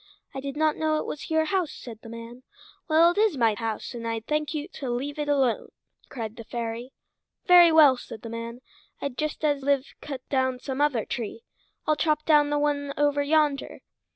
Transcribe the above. "I did not know it was your house," said the man. "Well, it is my house, and I'll thank you to let it alone," cried the fairy. "Very well," said the man. "I'd just as lieve cut down some other tree. I'll chop down the one over yonder."